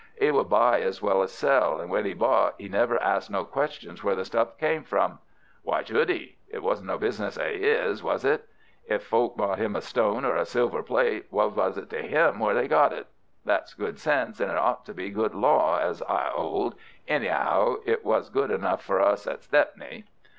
'e would buy as well as sell, and when 'e bought 'e never asked no questions where the stuff came from. Why should 'e? It wasn't no business of 'is, was it? If folk brought him a stone or a silver plate, what was it to 'im where they got it? That's good sense, and it ought to be good law, as I 'old. Any'ow, it was good enough for us at Stepney.